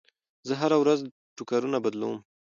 زه هره ورځ ټوکرونه بدلوم.